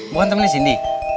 bukan temennya sindi